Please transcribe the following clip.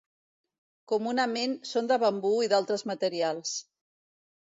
Comunament són de bambú i d'altres materials.